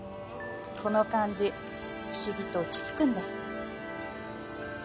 この感じ不思議と落ち着くんで。